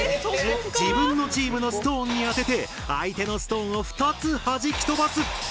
自分のチームのストーンに当てて相手のストーンを２つはじき飛ばす！